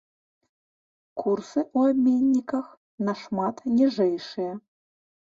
Курсы ў абменніках нашмат ніжэйшыя.